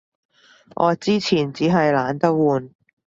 我之前衹係懶得換